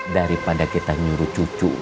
daripada kita nyuruh cucu